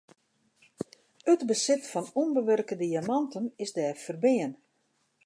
It besit fan ûnbewurke diamanten is dêr ferbean.